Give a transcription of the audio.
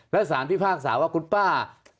และสารพิพากษาว่าคุณป้า